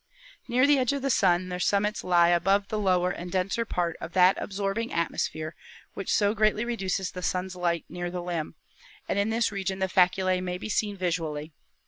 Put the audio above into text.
"Near the edge of the Sun their summits lie above the lower and denser part of that absorbing atmosphere which so greatly reduces the Sun's light near the limb, and in this region the faculse may be seen visually.